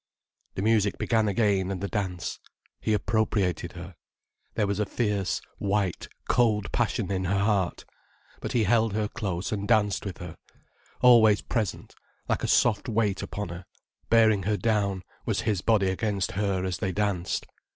The music began again and the dance. He appropriated her. There was a fierce, white, cold passion in her heart. But he held her close, and danced with her. Always present, like a soft weight upon her, bearing her down, was his body against her as they danced.